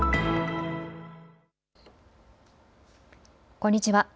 こんにちは。